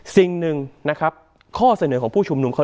สิ่งหนึ่งนะครับข้อเสนอของผู้ชุมนุมข้อ